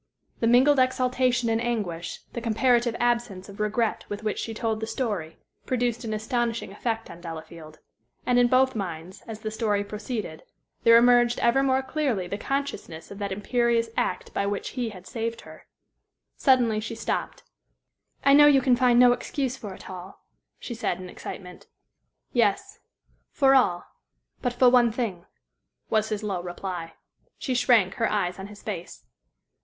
The mingled exaltation and anguish, the comparative absence of regret with which she told the story, produced an astonishing effect on Delafield. And in both minds, as the story proceeded, there emerged ever more clearly the consciousness of that imperious act by which he had saved her. Suddenly she stopped. "I know you can find no excuse for it all," she said, in excitement. "Yes; for all but for one thing," was his low reply. She shrank, her eyes on his face.